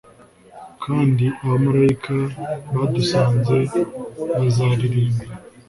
Kandi abamarayika badusanze bazaririmba